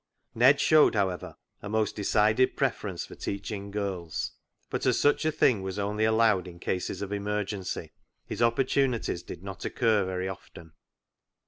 Ned showed, however, a most decided preference for teaching girls, but as such a thing was only allowed in cases of emergency, his oppor tunities did not occur very often.